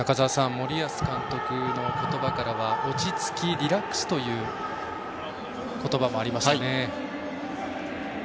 森保監督の言葉からは落ち着きリラックスという言葉もありましたね。